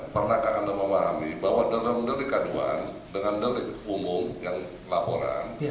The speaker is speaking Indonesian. pernahkah anda memahami bahwa dalam delik aduan dengan delik umum yang laporan